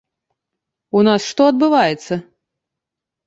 У нас што адбываецца?